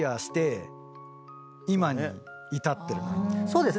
そうですね。